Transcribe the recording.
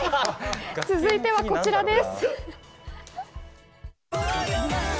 続いてはこちらです。